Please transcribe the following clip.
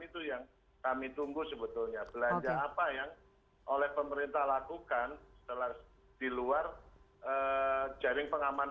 itu yang kami tunggu sebetulnya belanja apa yang oleh pemerintah lakukan setelah diluar jaring pengamanan